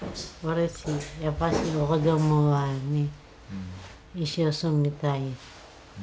やっぱし子どもはね一緒住みたい。